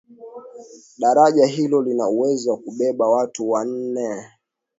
daraja hilo lina uwezo wa kubeba watu wanne